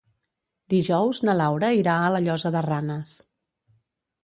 Dijous na Laura irà a la Llosa de Ranes.